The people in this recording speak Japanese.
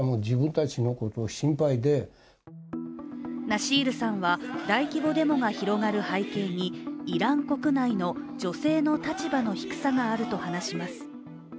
ナシールさんは大規模デモが広がる背景にイラン国内の女性の立場の低さがあると話します。